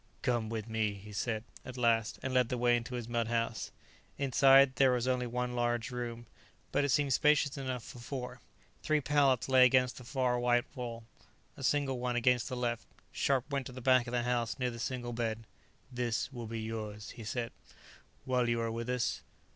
"Come with me," he said at last, and led the way into his mud house. Inside, there was only one large room, but it seemed spacious enough for four. Three pallets lay against the far right wall, a single one against the left. Scharpe went to the back of the house, near the single bed. "This will be yours," he said, "while you are with us.